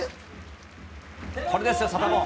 これですよ、サタボー。